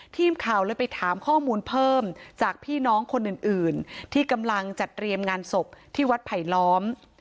ทีมข่าวเลยไปถามข้อมูลเพิ่มจากพี่น้องคนอื่นที่กำลังจัดเตรียมงานศพที่วัดไผลล้อม